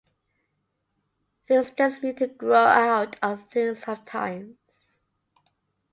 Things just need to grow out of things sometimes.